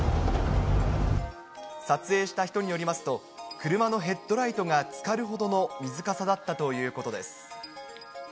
撮影した人によりますと、車のヘッドライトがつかるほどの水かさだったということです。